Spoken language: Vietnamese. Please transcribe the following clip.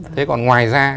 thế còn ngoài ra